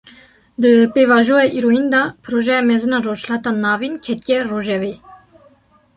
Di pêvajoya îroyîn de, Projeya Mezin a Rojhilata Navîn ketiye rojevê